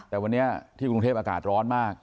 แต่วันนี้ที่กรุงเทพอากาศร้อนมาก